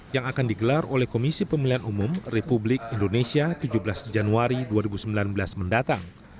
yang akan digelar oleh komisi pemilihan umum republik indonesia tujuh belas januari dua ribu sembilan belas mendatang